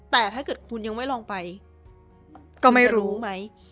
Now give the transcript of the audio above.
แต่ถ้าเกิดคุณยังไม่ลองไปก็ไม่รู้ไหม